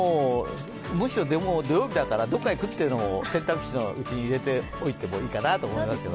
むしろ土曜日だから、どこか行くというのも選択肢の１つに入れておいてもいいですね。